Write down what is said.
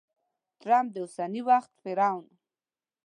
ټرمپ د اوسني وخت فرعون!